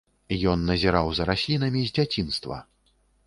Ён назіраў за раслінамі з дзяцінства.